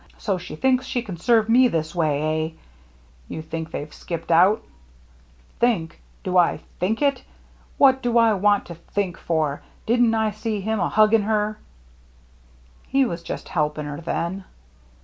So she thinks she can serve me this way, eh ?"" You think they've skipped out ?"" Think ? Do I think it ? What do I want to think for? Didn't I see him a hugging her?" " He was just helping her then."